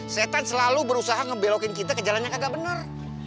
setan selalu berusaha ngebelokin kita ke jalan yang kagak benar